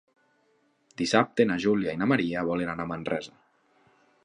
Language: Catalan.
Dissabte na Júlia i na Maria volen anar a Manresa.